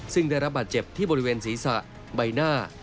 ซึ่งได้รับบาดเจ็บที่บริเวณศีรษะใบหน้า